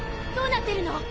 どうなってるの！？